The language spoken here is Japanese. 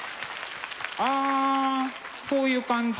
あそういう感じ？